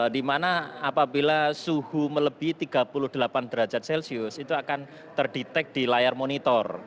dimana apabila suhu melebih tiga puluh delapan derajat celcius itu akan terdetek di layar monitor